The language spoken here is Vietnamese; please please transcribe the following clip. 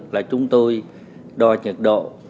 là chúng tôi đo nhiệt độ